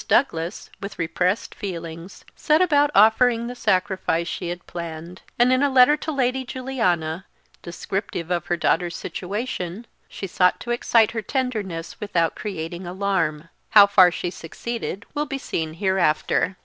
Douglas, with repressed feelings, set about offering the sacrifice she had planned, and in a letter to Lady Juliana, descriptive of her daughter's situation, she sought to excite her tenderness without creating an alarm. How far she succeeded will be seen hereafter.